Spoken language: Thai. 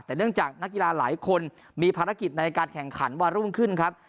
แต่เนื่องจากนักกีฬาหลายคนมีภารกิจในการแข่งขันวันรุ่งขึ้นครับ